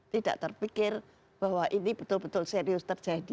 tidak terpikir bahwa ini betul betul serius terjadi